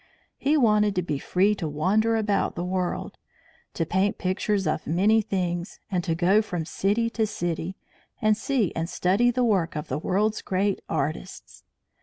He wanted to be free to wander about the world; to paint pictures of many things; and to go from city to city, and see and study the work of the world's great artists.